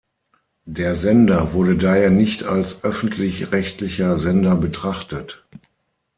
Der Sender wurde daher nicht als öffentlich-rechtlicher Sender betrachtet.